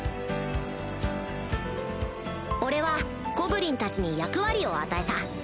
俺はゴブリンたちに役割を与えた